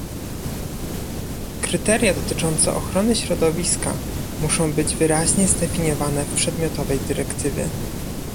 Kryteria dotyczące ochrony środowiska muszą być wyraźnie zdefiniowane w przedmiotowej dyrektywie